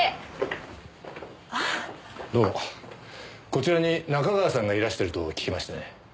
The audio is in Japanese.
こちらに仲川さんがいらしてると聞きましてね。